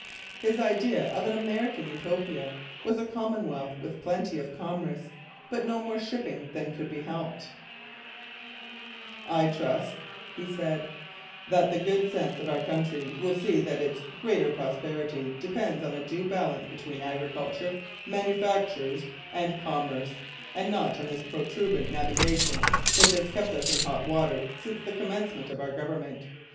His idea of an American Utopia was a commonwealth with plenty of commerce, but no more shipping than could be helped: I trust [he said] that the good sense of our country will see that its greatest prosperity depends on a due balance between agriculture, manufactures, and commerce; and not on this protuberant navigation, which has kept us in hot water since the commencement of our government...